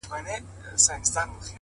هر کله راته راسي هندوسوز په سجده کي!